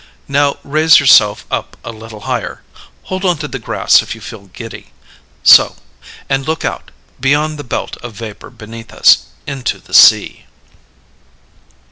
Now raise yourself up a little higher hold on to the grass if you feel giddy so and look out, beyond the belt of vapor beneath us, into the sea."